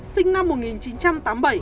sinh năm một nghìn chín trăm tám mươi bảy